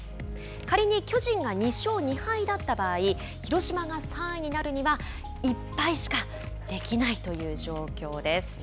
仮に巨人が２勝２敗だった場合広島が３位になるには１敗しかできないという状況です。